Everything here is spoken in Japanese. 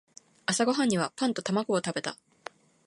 朝ごはんにはパンと卵を食べた。